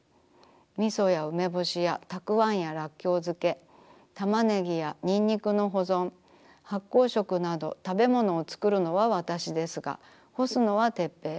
みそや梅干しやたくあんやラッキョウ漬け玉ねぎやにんにくの保存発酵食などたべものをつくるのはわたしですが干すのはテッペイ。